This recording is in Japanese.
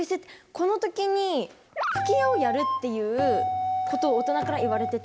この時に吹き矢をやるっていうことを大人から言われてて。